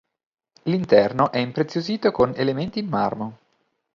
L'interno è impreziosito con elementi in marmo.